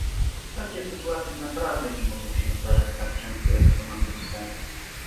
takie sytuacje naprawdę nie mogą się zdarzać tak często, jak to ma miejsce